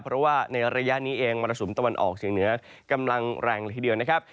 เพราะว่าในระยะนี้เองมรสุมตะวันออกเฉียงเหนือกำลังแรงละทีเดียวนะครับ